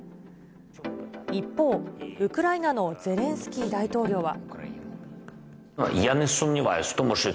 一方、ウクライナのゼレンスキー大統領は。